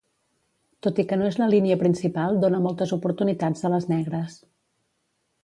Tot i que no és la línia principal, dóna moltes oportunitats a les negres.